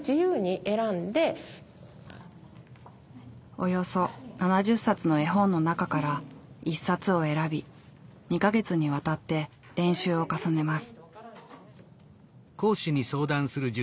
およそ７０冊の絵本の中から１冊を選び２か月にわたって練習を重ねます。